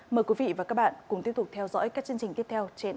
mời quý vị và các bạn cùng tiếp tục theo dõi các chương trình tiếp theo trên anntv